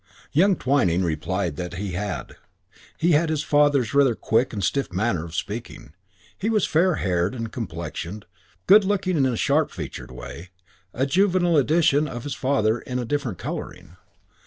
Young Twyning replied that he had. He had his father's rather quick and stiff manner of speaking. He was fair haired and complexioned, good looking in a sharp featured way, a juvenile edition of his father in a different colouring.